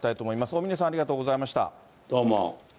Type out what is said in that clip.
大峯さん、ありがとうございましどうも。